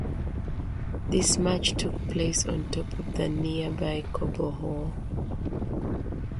This match took place on top of the nearby Cobo Hall.